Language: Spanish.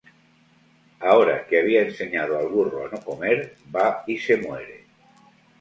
Ahora que había enseñado al burro a no comer, va y se muere